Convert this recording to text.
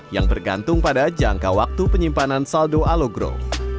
yang bergantung pada jangka waktu penyimpanan saldo alogrow